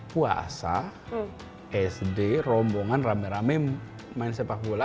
puasa sd rombongan rame rame main sepak bola